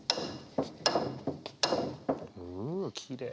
ううきれい。